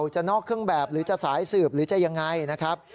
จะนอกเครื่องแบบหรือจะสายสืบหรือจะอย่างไร